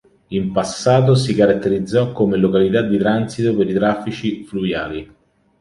In passato si caratterizzò come località di transito per i traffici fluviali.